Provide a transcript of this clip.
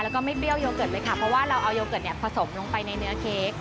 แล้วก็ไม่เปรี้ยวโยเกิร์ตเลยค่ะเพราะว่าเราเอาโยเกิร์ตเนี่ยผสมลงไปในเนื้อเค้ก